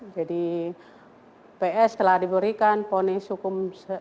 jadi ps telah diberikan fonis hukum